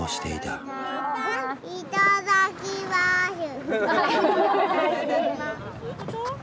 いただきましゅ。